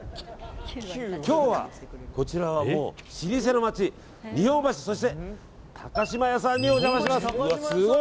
今日はこちら老舗の街、日本橋そして高島屋さんにお邪魔します。